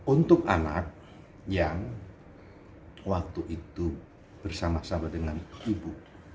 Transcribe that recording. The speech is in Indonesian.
untuk anak yang waktu itu bersama sama dengan ibu